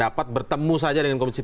dapat bertemu saja dengan komisi tiga